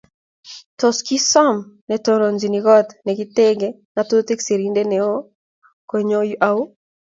Tos kisom netononchini kot nekingate ngatutik sirndet neo konyo au?